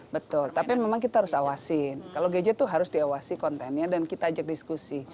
betul tapi memang kita harus awasin kalau gadget itu harus diawasi kontennya dan kita ajak diskusi